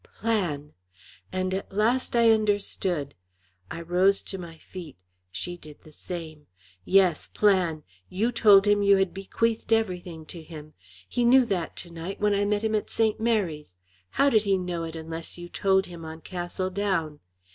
Plan!" and at last I understood. I rose to my feet; she did the same. "Yes, plan! You told him you had bequeathed everything to him. He knew that tonight when I met him at St. Mary's. How did he know it unless you told him on Castle Down?